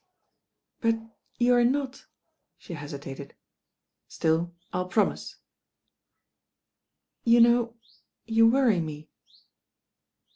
••But you are not ^" she hesitated. "Still, rU promise." ••You know you worry me."